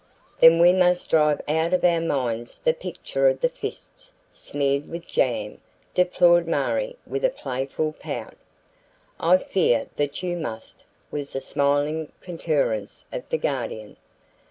"Then we must drive out of our minds the picture of the fists smeared with jam," deplored Marie with a playful pout. "I fear that you must," was the smiling concurrence of the Guardian.